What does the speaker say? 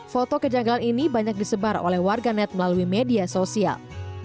foto kejanggalan ini banyak disebar oleh warganet melalui media sosial